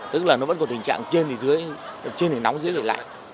tức là nó vẫn còn tình trạng trên thì dưới trên thì nóng dưới lạnh